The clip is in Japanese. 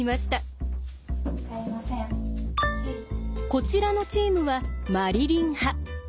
こちらのチームはマリリン派。